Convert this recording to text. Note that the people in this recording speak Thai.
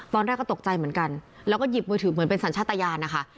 ตอนแรกก็ตกใจเหมือนกันแล้วก็หยิบมือถือเหมือนเป็นสัญชาติยานนะคะ